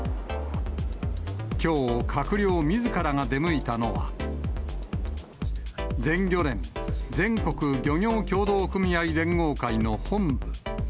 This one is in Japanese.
きょう、閣僚みずからが出向いたのは、全漁連・全国漁業協同組合連合会の本部。